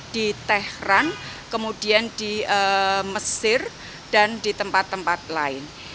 di tehran kemudian di mesir dan di tempat tempat lain